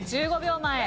１５秒前。